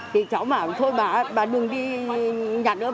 thì cháu mà thôi bà đừng đi nhà nước